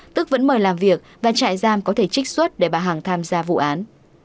tức vẫn mời làm việc và trại giam có thể trích xuất để bà hằng tham gia vụ án